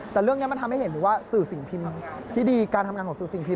แต่เรื่องนี้มันทำให้เห็นหรือว่าสื่อสิ่งพิมพ์ที่ดีการทำงานของสื่อสิ่งพิม